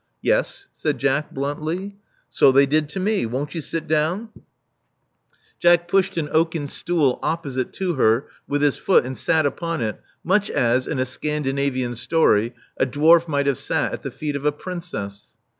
Yes," said Jack, bluntly. So they did to me. Won't you sit down?" Love Among the Artists 425 Jack pushed an oaken stool opposite to her with his foot, and sat upon it, much as, in a Scandinavian story, a dwarf might have sat at the feet of a princess.